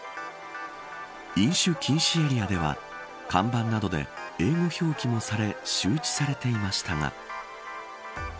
飲酒禁止エリアでは看板などで英語表記もされ周知されていましたが。